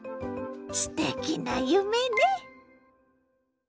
すてきな夢ね！